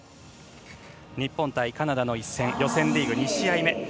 日本対カナダの一戦予選リーグ２試合目。